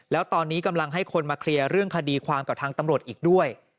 แล้วตอนนี้กำลังให้คนมาเคลียร์เรื่องคดีความกับทางตำรวจอีกด้วย